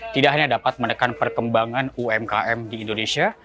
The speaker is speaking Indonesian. tidak hanya dapat menekan perkembangan umkm di indonesia